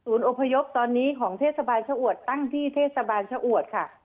อพยพตอนนี้ของเทศบาลชะอวดตั้งที่เทศบาลชะอวดค่ะ